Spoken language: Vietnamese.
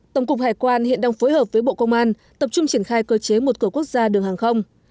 tổng cục hải quan hiện đang phối hợp với bộ công an tập trung triển khai cơ chế một cửa quốc gia đường hàng không